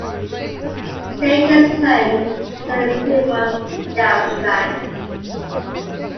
The state is home to the Philmont Scout Ranch.